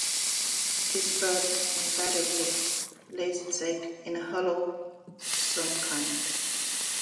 This bird invariably lays its eggs in a hollow of some kind.